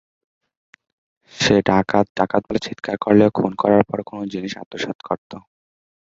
সে 'ডাকাত, ডাকাত' বলে চিৎকার করলেও খুন করার পর কোনো জিনিস আত্মসাৎ করত।